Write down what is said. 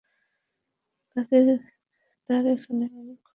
কাজেই তাঁর এখানে আমি খুব আনন্দে আছি।